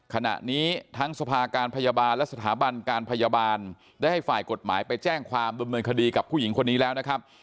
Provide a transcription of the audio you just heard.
ขณะนี้ทั้งสภาการพยาบาลและสถาบันการพยาบาลได้ให้ฝ่ายกฎหมายไปแจ้งความดำเนินคดีกับผู้หญิงคนนี้แล้วนะครับ